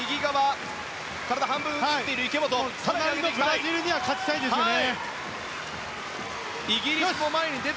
ブラジルには勝ちたいですよね。